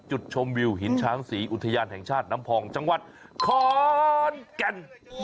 จุดชมวิวหินช้างศรีอุทยานแห่งชาติน้ำพองจังหวัดขอนแก่น